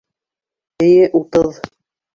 Эйе, утыҙ.